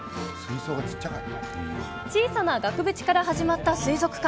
小さな額縁から始まった水族館。